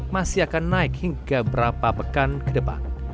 masih akan naik hingga berapa pekan ke depan